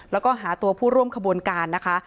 แล้วก็หาตัวผู้ร่วมขบวนการนะคะ